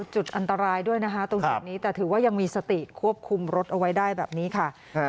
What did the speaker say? จุดอันตรายด้วยนะคะตรงจุดนี้แต่ถือว่ายังมีสติควบคุมรถเอาไว้ได้แบบนี้ค่ะ